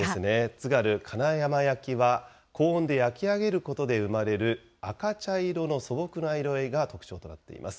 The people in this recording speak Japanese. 津軽金山焼は、高温で焼き上げることで生まれる赤茶色の素朴な色合いが特徴となっています。